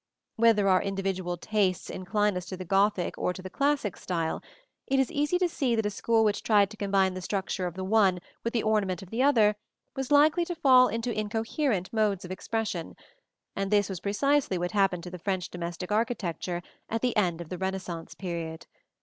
Whether our individual tastes incline us to the Gothic or to the classic style, it is easy to see that a school which tried to combine the structure of the one with the ornament of the other was likely to fall into incoherent modes of expression; and this was precisely what happened to French domestic architecture at the end of the Renaissance period.